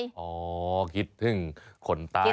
อ๋อขนตายคิดถึงผักตาย